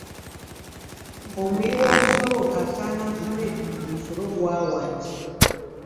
Omuwi w'omusolo asaana afune mu musolo gw'awa.